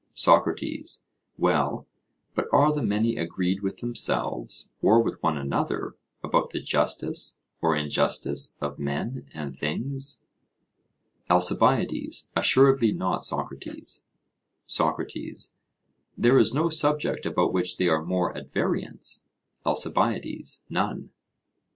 SOCRATES: Well, but are the many agreed with themselves, or with one another, about the justice or injustice of men and things? ALCIBIADES: Assuredly not, Socrates. SOCRATES: There is no subject about which they are more at variance? ALCIBIADES: None.